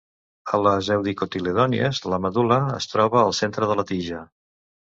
A les eudicotiledònies, la medul·la es troba al centre de la tija.